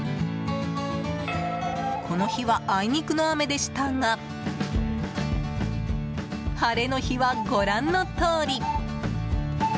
この日は、あいにくの雨でしたが晴れの日は、ご覧のとおり。